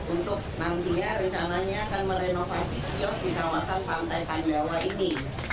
untuk nantinya rencananya akan merenovasi kios di kawasan pantai kadawa ini